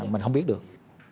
mình không biết được